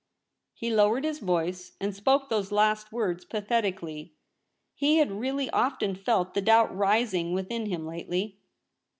He lowered his voice and spoke those last words pathetically. He had really often felt the doubt rising within him lately.